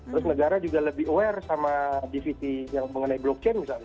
terus negara juga lebih aware sama dvt yang mengenai blockchain misalnya